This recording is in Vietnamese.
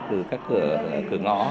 từ các cửa ngõ